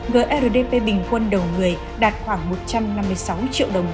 grdp bình quân đầu người đạt khoảng một trăm năm mươi sáu triệu đồng